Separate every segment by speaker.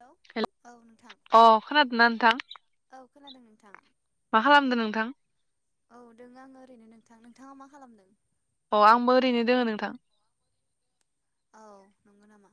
Speaker 1: Hello
Speaker 2: hello
Speaker 1: औ नोंथां
Speaker 2: अ' खोनादोंना नोंथां?
Speaker 1: औ खोनादों नोंथां।
Speaker 2: मा खालामदों नोंथां
Speaker 1: औ दोङो आङो ओरैनो नों नोंथां, नोंथाङा मा खालामदों?
Speaker 2: अ' आंबो ओरैनो दोङो नोंथां।
Speaker 1: औ नंगौ नामा।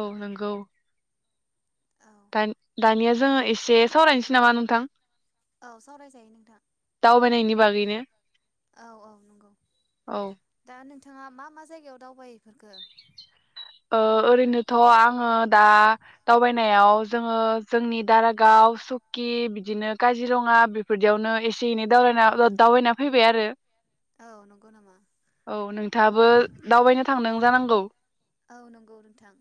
Speaker 2: औ नंगौ।
Speaker 1: औ
Speaker 2: दा-दानिया जोङो एसे सावरायनोसै नामा नोंथां?
Speaker 1: औ सावरायजायो नोंथां
Speaker 2: दावबायनायनि बागैनो
Speaker 1: औ औ नंगौ
Speaker 2: औ
Speaker 1: दा नों नोंथाङा मा मा जायगायाव दावबाय फोरखो?
Speaker 2: ओ ओरैनोथ' आङो दा दाब। याव जोङो जोंनि दारागाव सुकि बिदिनो काजिरङा बेफोरदियावनो एसे सिनि दावबायना दावबायना फैबाय आरो।
Speaker 1: औ नंगौ नामा
Speaker 2: औ नोंथाङाबो दावबायनो थांदों जानांगौ।
Speaker 1: औ नंगौ नोंथां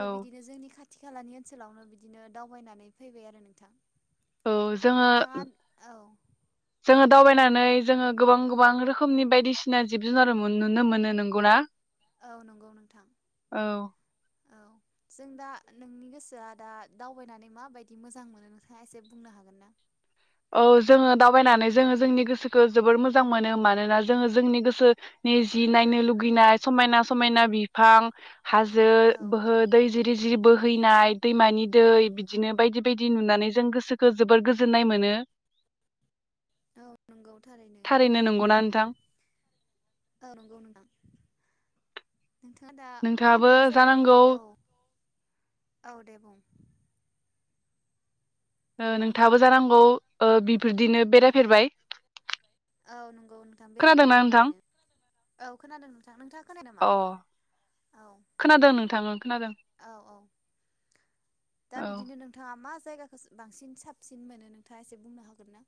Speaker 2: औ
Speaker 1: बिदिनो जोंनि खाथि खालानि ओनसोलावनो बिदिनो दावबायनानै फैबाय आरो नोंथां।
Speaker 2: औ जोङो
Speaker 1: नोंथाङा औ
Speaker 2: जोङो दावबायनानै जोङो गोबां गोबां रोखोमनि बायदिसिना जिब जुनार मोन नुनो मोनो नंगौना?
Speaker 1: औ नंगौ नोंथां।
Speaker 2: औ
Speaker 1: औ जों दा नोंनि गोसोआ दा दावबायनानै माबायदि मोजां मोनो नोंथाङा एसे बुंनो हागोन ना?
Speaker 2: औ जोङो दावबायनानै जोङो जोंनि गोसोखौ जोबोर मोजां मोनो मानोना जोङो जोंनि गोसोनि जि नायनो लुगैनाय समायना समायना बिफां हाजो
Speaker 1: औ
Speaker 2: बोहो दै जिरि जि बोहैनाय दैमानि दै बिदिनो बायदि बायदि नुनानै जों गोसोखौ जोबोर गोजोन्नाय मोनो। [inaudible]
Speaker 1: औ नंगौ थारैनो
Speaker 2: नंगौना नोंथां
Speaker 1: औ नंगौ नोंथां। नोंथाङा दा मा
Speaker 2: नोंथाङाबो
Speaker 1: मा जायगाखौ
Speaker 2: जानांगौ
Speaker 1: औ। अवदे बुंं।
Speaker 2: ओ
Speaker 1: नोंथां
Speaker 2: नोंथाङाबो जानांगौ ओ बिफोरदिनो बेरायफेरबाय।
Speaker 1: औ नंगौ नोंथां
Speaker 2: खोनादोंना
Speaker 1: बेरायफेरबाय
Speaker 2: नोंथां
Speaker 1: बिदिनो। औ खोनादों नोंथां नोंथाङ।
Speaker 2: अ खोनादों नोंथां ओं खोनादों
Speaker 1: औ औ दा
Speaker 2: औ
Speaker 1: बिदिनो नोंथाङा मा जायगाखौ बांसिन साबसिन मोनो नोंथाङा एसे बुंनो हागोन ना?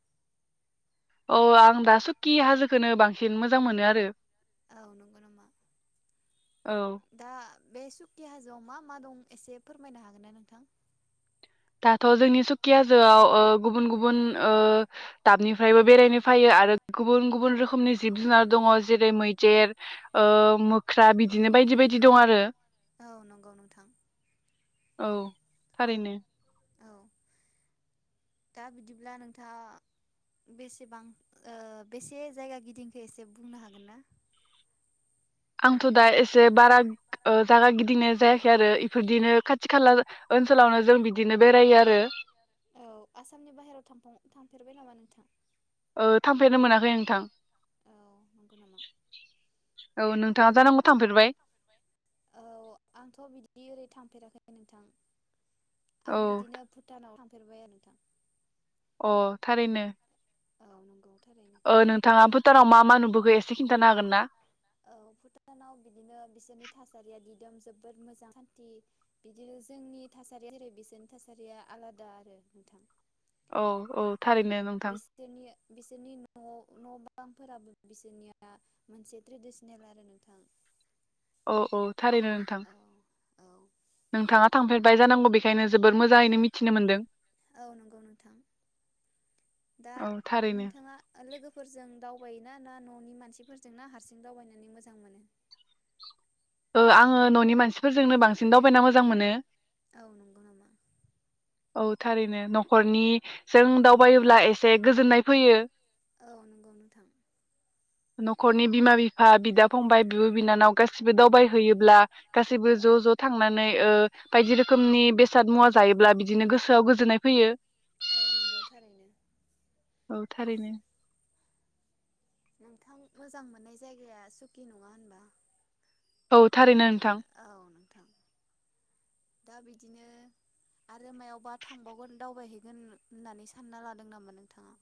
Speaker 2: औ आं दा सुकि हाजोखौनो बांसिन मोजां मोनो आरो।
Speaker 1: औ नंगौ नामा
Speaker 2: औ
Speaker 1: दा। बे सुकि हाजोआव मा मा दं एसे फोरमायनो हागोन ना नोंथां?
Speaker 2: दाथ' जोंनि सुखि हाजोआव ओ गुबुन गुबुन ओ दाबनिफ्रायबो बेरायनो फायो आरो गुबुन गुबुन रोखोमनि जिब जुनार दङ जेरै मैदेर ओ मोख्रा बिदिनो बायदि बायदि दं आरो।
Speaker 1: औ नंगौ नोंथां।
Speaker 2: औ
Speaker 1: औ
Speaker 2: थारैनो।
Speaker 1: औ दा बिदिब्ला नोंथाङा बेसेबां ओ बेसे जायगा गिदिंखो एसे बुंनो हागोन ना?
Speaker 2: आंथ' दा एसे बारा ओ जागा गिदिंनाय जायाखै आरो इफोरदिनो खाथि खाला ओनसोलावनो जों बिदिनो बेरायो आरो।
Speaker 1: औ आसामनि बाहेरायाव थां थांफेरबाय नामा नोंथां?
Speaker 2: ओ थांफेरनो मोनाखै नोंथां।
Speaker 1: औ नंगौ नामा
Speaker 2: औ नोंथाङा जानांगौ थांफेरबाय
Speaker 1: औ आंथ' बिदि ओरै थांफेराखै। नोंथां।
Speaker 2: औ
Speaker 1: आं बिदिनो भुटानाव थाम फेरबाय आरो दा।
Speaker 2: अ थारैनो।
Speaker 1: औ नंगौ।
Speaker 2: ओ नोंथाङा भुटानाव मा मा नुबोखो एसे खिन्थानो हागोन ना
Speaker 1: औ भुटानाव बिदिनो बिसोरनि थासारिया एदम जबोद मोजां सानथि बिदिनो जोंनि थासारिया जेरै बिसोरनि थासारिया आलादा आरो नोंथां
Speaker 2: औ औ थारैनो नोंथां।
Speaker 1: दिनै बिसोरनि बिसोरनि न' न' बांफोराबो बिसोरनिया मोनसे ट्रेडिसनेल आरो नोंथां
Speaker 2: औ औ थारैनो नोंथां
Speaker 1: औ औ
Speaker 2: नोंथाङा थांफेरबाय जानांगौ बेखायनो जोबोर मोजाङैनो मिथिनो मोनदों।
Speaker 1: औ नंगौ नोंथां दा
Speaker 2: औ थारैनो
Speaker 1: नोंथाङा लोगोफोरजों दावबाय ना ना न नि मानसिफोरजों ना हारसिं दावबायनानै मोजां मोनो?
Speaker 2: ओ आंङो न'नि मानसिफोरजोंनो बांसिन दावबायना मोजां मोनो।
Speaker 1: औ नोंगौ नामा?
Speaker 2: औ थारैनो न'खरनि जों दावबायोब्ला एसे गोजोननाय फैयो।
Speaker 1: औ नंगौ नोंथां
Speaker 2: न'खरनि बिमा बिफा, बिदा फंबाय, बिब बिनानाव गासिबो दावबायहोयोब्ला गासैबो
Speaker 1: औ
Speaker 2: ज' ज' थांनानै ओ बायदि रोखोमनि बेसाद मुवा जायोब्ला बिदिनो गोसोआव गोजोननाय फैयो
Speaker 1: औ नोंगौ थारैनो।
Speaker 2: औ थारैनो
Speaker 1: नोंथां मोजां मोननाय जायगाया सुकि नङा होनबा?
Speaker 2: औ। थारैनो नोंथां।
Speaker 1: औ नोंथां दा बिदिनो आरो मायावबा थांबावगोन दावबायहैगोन होननानै सानना लादों नामा नोंथाङा?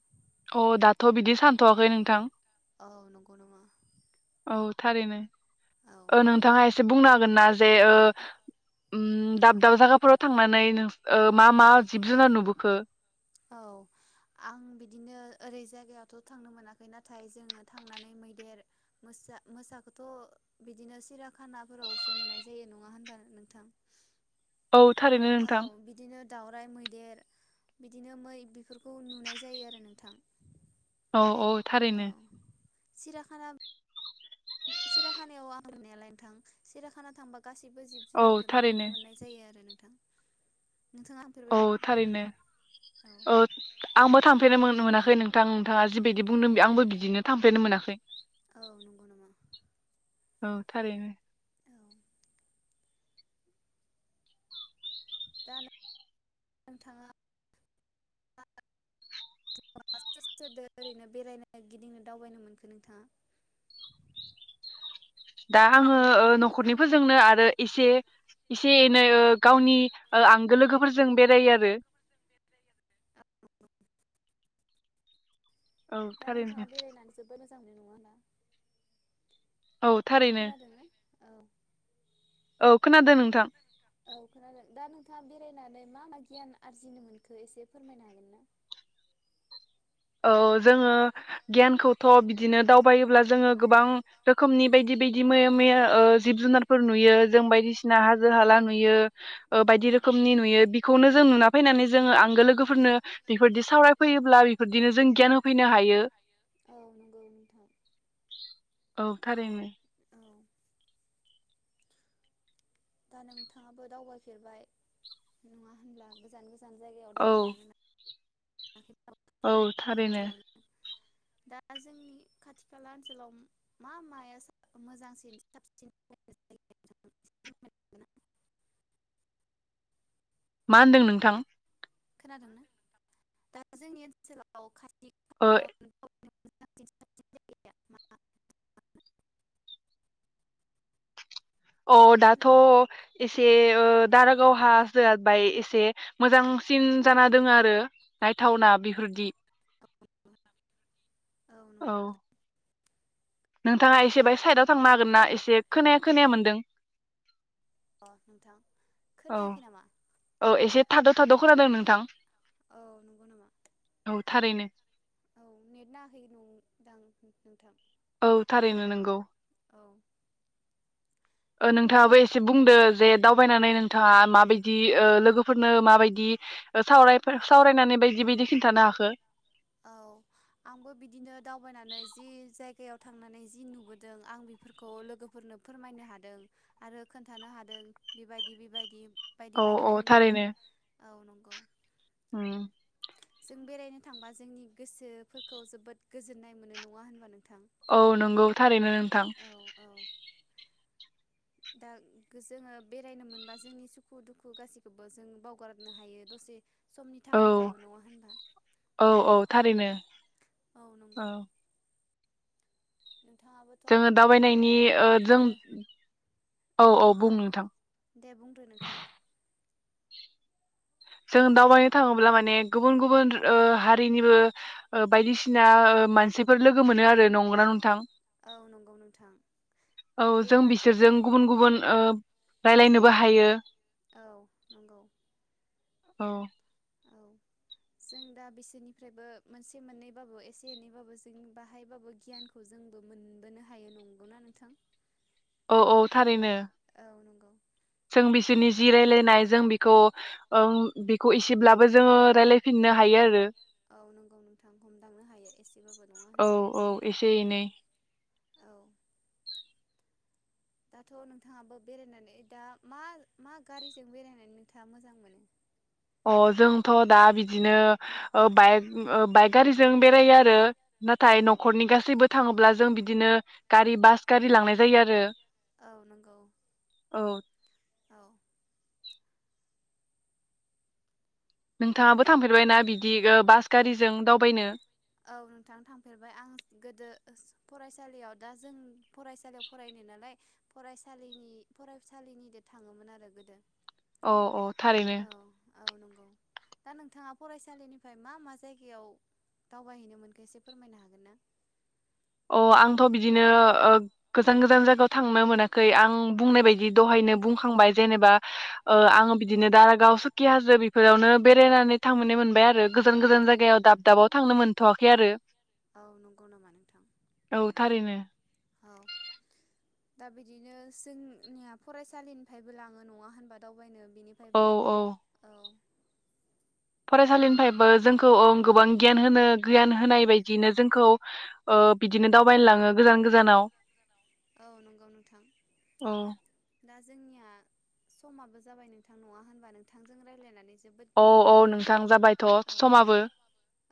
Speaker 2: अ दाथ' बिदि सानथवाखै नोंथां
Speaker 1: औ नगौ नामा?
Speaker 2: ओ थारैनो
Speaker 1: औ
Speaker 2: ओ नोंथाङा एसे बुंनो हागोनना जे ओ उम दाब दाब जायगाफोराव थांनानै नोस मा मा जिब जुनार नुबोखो?
Speaker 1: औ आं बिदिनो ओरै जायगायावथ' थांनो मोनाखै नाथाय जोङो थांनानै मैदेर, मोसा, मोसाखौथ' बिदिनो सिराखानाफोरावसो नुनाय जायो नङा होनबा नोंथां?
Speaker 2: औ थारैनो
Speaker 1: औ
Speaker 2: नोंथां।
Speaker 1: बिदिनो दावराइ मैदेर बिदिनो मै बेफोरखौ नुनाय जायो आरो नोंथां
Speaker 2: औ औ थारैनो
Speaker 1: सिराखाना सिराखानायाव आं नायालायनो थां सिरियाखाना थांबा गासैबो जिब
Speaker 2: औ
Speaker 1: जुनारखौनो
Speaker 2: थारैनो
Speaker 1: नुनो मोननाय जायो आरो नोंथां नोंथाङा थांफेरबाय
Speaker 2: औ
Speaker 1: नामा
Speaker 2: थारैनो औ आंबो थांफेरनो मोनाखै नोंथां नोंथाङा जिबायदि बुंदों आंबो बिदिनो थांफेरनो मोनाखै।
Speaker 1: औ नंगौ नामा?
Speaker 2: औ थारैनो
Speaker 1: औ दा नोंथाङा [unintelligible] ओरैनो बेरायनो गिदिंनो दावबायनो मोनखो नोंथाङा?
Speaker 2: दा आङो
Speaker 1: खोनादोंना?
Speaker 2: न खरनिफोरजोंनो आरो एसे एसे एनै गावनि आंगो लोगोफोरजों बेरायो आरो। औ
Speaker 1: ना नोंथाङा
Speaker 2: थारैनो
Speaker 1: बेरायनानै जोबो मोजांनाय नङा ना?
Speaker 2: औ थारैनो
Speaker 1: खोनादों ना औ
Speaker 2: औ खोनादों नोंथां
Speaker 1: औ खोनादों नोंथां औ दा नों नोंथाङा बेरायनानै मा मा गियान आरजिनो मोनखो एसे फोरमायनो हागोन ना?
Speaker 2: औ जोङो गियानखौथ' बिदिनो दावबायोब्ला जोङो गोबां रोखोमनि बायदि बाय दि मैया मैया ओ जिब जुनारफोर नुयो जों बायदिसिना हाजो हाला नुयो। ओ बायदि रोखोमनि नुयो बिखौनो जों नुना फैनानै जोङो आंगो लोगोफोरनो बेफोरदि सावरायफैयोब्ला बिदिनो जों गियान होफैनो हायो
Speaker 1: औ नंगौ नोंथां
Speaker 2: औ थारैनो।
Speaker 1: औ दा नोंथाङाबो दावबायफेरबाय नङा होनब्ला गोजान गोजा जान जायगायाव
Speaker 2: औ
Speaker 1: दावबायनो मोना
Speaker 2: औ थारैनो।
Speaker 1: ओनसोलाव दा जोंनि खाथि खाला ओनसोलाव मा माया मोजांसिन साबसिन [unintelligible]
Speaker 2: मा होनदों नोंथां?
Speaker 1: खोनादोंना दा जोंनि ओनसोलाव। [unintelligible]
Speaker 2: ओ
Speaker 1: [unintelligible]
Speaker 2: औ दाथ'। एसे ओ दारागाव हा जाबाय एसे मोजांसिन जाना दोङो आरो नायथावना बेफोरदि
Speaker 1: औ नंगौ
Speaker 2: नोंथाङा एसे बाहाय साइदआव थांनो हागोन ना एसे खोनाया खोनाया मोनदों।
Speaker 1: औ अ नोंथां
Speaker 2: औ
Speaker 1: खोनायाखै नामा
Speaker 2: औ एसे थाद' थाद' खोनादों नोंथां?
Speaker 1: औ नंगौ नामा?
Speaker 2: औ थारैनो
Speaker 1: औ नेट नाङाखै नदां नोंथां
Speaker 2: औ थारैनो नंगौ।
Speaker 1: औ
Speaker 2: ओ
Speaker 1: दा
Speaker 2: नोंथाङाबो
Speaker 1: नों
Speaker 2: एसे बुंदो जे दाउ बायनानै नोंथाङा माबायदि ओ लोगोफोरनो माबायदि ओ साव-सावरायनानै बायदि बायदि खिन्थानो हाखो?
Speaker 1: औ आंबो बिदिनो दावबायनानै जि जायगायाव थांनानै जि नुबोदों आं बेफोरखौ लोगोफोरनो फोरमायनो हादों आरो खोन्थानो हादों बेबायदि बेबायदि बायदि
Speaker 2: औ
Speaker 1: बायदि
Speaker 2: औ
Speaker 1: बुंनानै औ नं औ
Speaker 2: हम।
Speaker 1: जों बेरायनो थांबा जोंनि गोसोफोरखौ जोबोद गोजोननाय मोनो नङा होनबा नों
Speaker 2: औ नंगौ थारैनो नोंथां।
Speaker 1: औ औ दा जोङो बेरायनो मोनबा जोंनि सुखु दुखु गासिखौबो जों बावगारनो हायो दसे समनि
Speaker 2: औ
Speaker 1: थाखायबाबो नङा होनबा औ औ नंगौ। नोंथाङाबोथ'
Speaker 2: जोङो दावबायनाय [unintelligible] जों
Speaker 1: बिदिनो
Speaker 2: औ औ बुं नोंथां
Speaker 1: दे बुंदो नोंथाङा
Speaker 2: जों दावबायनो थाङोब्ला माने गुबुन गुबुन ओ हारिनिबो ओ बायदिसिना ओ मानसिफोर लोगो मोनो आरो नंगौना नोंथां?
Speaker 1: औ नंगौ नोंथां
Speaker 2: औ
Speaker 1: बे
Speaker 2: जों
Speaker 1: मान
Speaker 2: बिसोरजों
Speaker 1: औ
Speaker 2: गुबुन गुबुन ओ। रायलायनोबो हायो।
Speaker 1: औ नोंगौ
Speaker 2: औ
Speaker 1: औ जों दा बिसोरनिफ्रायबो मोनसे मोननैबाबो एसे एनैबाबो जों बाहायबाबो गियानखौ जोंबो मोनबोनो हायो नंगौना नोंथां?
Speaker 2: औ औ थारैनो।
Speaker 1: औ नंगौ।
Speaker 2: जों बिसोरनि जि रायलायनाय जों बेखौ ओ बेखौ एसेब्लाबो जोङो रायलायफिननो हायो आरो।
Speaker 1: औ नंगौ नोंथां हमदांनो हायो एसेबाबो नङा
Speaker 2: औ
Speaker 1: होनबा
Speaker 2: औ एसे
Speaker 1: औ।
Speaker 2: एनै
Speaker 1: औ दाथ नोंथाङाबो बेरायनानै दा मा मा गारिजों बेरायनानै नोंथाङा मोजां मोनो।
Speaker 2: अ जोंथ दा बिदिनो ओ बाइक ओ बाइक गारिजों बेरायो आरो
Speaker 1: औ
Speaker 2: नाथाइ नखरनि
Speaker 1: नंगौ
Speaker 2: गासैबो थाङोब्ला जों बि बिदिनो गारि बास गारि लांनाय जायो आरो।
Speaker 1: औ नंगौ
Speaker 2: औ
Speaker 1: औ। दा
Speaker 2: नोंथाङाबो
Speaker 1: नों
Speaker 2: थांफेरबायना बिदि ओ बास गारिजों दावबायनो
Speaker 1: औ नोंथां थांफेरबाय आं गोदो फरायसालियाव दा जों फरायसालियाव फरायनाय नालाय फरायसालिनि फरायसालिनिजों थाङोमोन आरो गोदो।
Speaker 2: औ औ थारैनो।
Speaker 1: औ औ नंगौ दा नोंथाङा फरायसालिनिफ्राय मा मा जायगायाव दावबायहैनो मोनखो एसे फोरमायनो हागोन ना?
Speaker 2: अ आंथ' बिदिनो ओ गोजान गोजान जायगायाव थांनो मोनाखै आं बुंनाय बायदि दहायनो बुंखांबाय जेनेबा ओ आं बिदिनो दारागाव, सुखि हाजो बेफोरावनो बेरायनानै थांफेरनो मोनबाय आरो गोजान गोजान जायगायाव दाब दाबाव थांनो मोनथवाखै आरो
Speaker 1: औ नं
Speaker 2: औ थारैनो।
Speaker 1: औ दा बिदिनो जोंनिया फरायसालिनिफ्रायबो लाङो नङा होनबा दावबायनो।
Speaker 2: औ
Speaker 1: बिनिफ्रायबो
Speaker 2: औ
Speaker 1: औ
Speaker 2: फरायसालिनिफ्रायबो जोंखौ औ गोबां गियान होनो गियान होनाय बायदियैनो जोंखौ ओ बिदिनो दावबायनो लाङो गोजान गोजानाव
Speaker 1: औ नंगौ नोंथां।
Speaker 2: औ
Speaker 1: दा जोंनिया समाबो जाबाय नोंथां नङा होनबा नोंथांजों रायलायनानै जोबोद
Speaker 2: औ औ
Speaker 1: गोजोननाय मोनबाय
Speaker 2: नोंथां
Speaker 1: औ
Speaker 2: जाबायथ' समाबो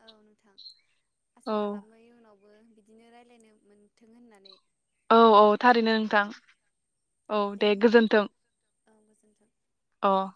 Speaker 1: औ नोंथां आसा
Speaker 2: औ
Speaker 1: खालामो इनाव बो बिदिनो रायलायनो मोन्थों होननानै
Speaker 2: औ औ थारैनो नोंथां।
Speaker 1: औ
Speaker 2: औ दे
Speaker 1: होमबा नोंथां
Speaker 2: गोजोन्थों
Speaker 1: औ गोजोन्थों
Speaker 2: अह